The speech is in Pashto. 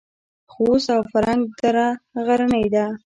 خوست او فرنګ دره غرنۍ ده؟